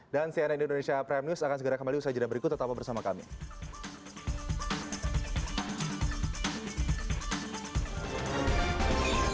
dan cnn indonesia prime news akan segera kembali bersama kita